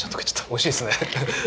おいしいですね！